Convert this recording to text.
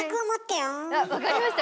あっ分かりました。